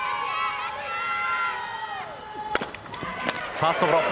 ファーストゴロ。